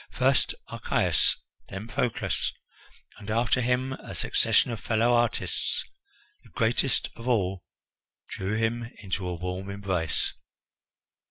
First Archias, then Proclus, and after him a succession of fellow artists the greatest of all drew him into a warm embrace.